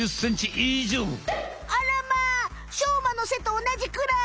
あらまあしょうまのせとおなじくらい！？